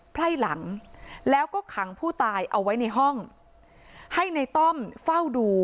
ไพ่หลังแล้วก็ขังผู้ตายเอาไว้ในห้องให้ในต้อมเฝ้าดู